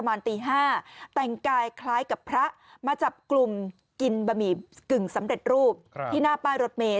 มาจับกลุ่มกินบะหมี่กึ่งสำเร็จรูปที่หน้าป้ายรถเมย์